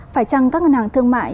phải chăng các ngân hàng thương mại